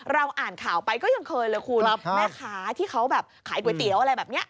อ่านข่าวไปก็ยังเคยเลยคุณแม่ค้าที่เขาแบบขายก๋วยเตี๋ยวอะไรแบบนี้